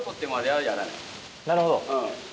なるほど。